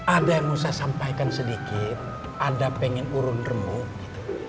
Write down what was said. ada yang usah sampaikan sedikit ada pengen urun remuk